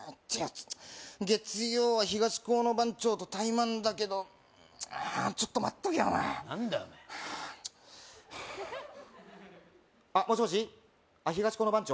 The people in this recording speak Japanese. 月曜は東高の番長とタイマンだけどちょっと待っとけお前何だお前あもしもし東高の番長？